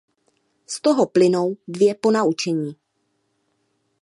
Z toho plynou dvě ponaučení.